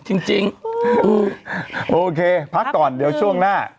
จริงจริงโอเคพักก่อนเดี๋ยวช่วงหน้า